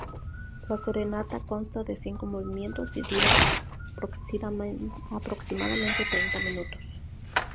La serenata consta de cinco movimientos y dura aproximadamente treinta minutos.